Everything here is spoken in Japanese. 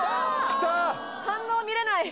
来た反応見れない！